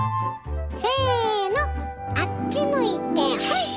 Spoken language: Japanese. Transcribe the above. せのあっち向いてホイ！